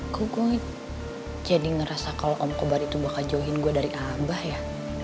aku gue jadi ngerasa kalau om kobar itu bakal jauhin gue dari abah ya